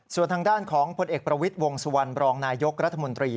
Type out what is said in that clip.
ส่วนทางด้านของผลเอกประวิทย์วงสุวรรณบรองนายยกรัฐมนตรี